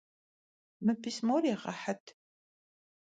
Mı pismor yêğehıt!